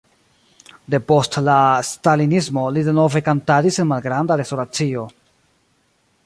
Depost la stalinismo li denove kantadis en malgranda restoracio.